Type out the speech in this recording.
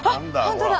本当だ。